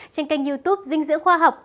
trên kênh youtube dinh dưỡng khoa học